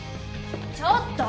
・ちょっと！